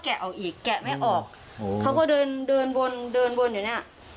ออกอีกแกะไม่ออกเขาก็เดินเดินวนเดินวนอยู่เนี้ย